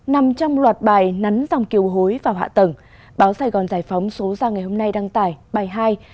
nằm trong loạt bài nắn dòng kiều hối vào hạ tầng báo sài gòn giải phóng số ra ngày hôm nay đăng tải bài hai